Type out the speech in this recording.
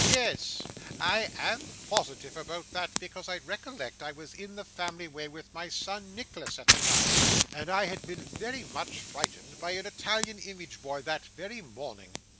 'Yes, I am positive about that, because I recollect I was in the family way with my son Nicholas at the time, and I had been very much frightened by an Italian image boy that very morning.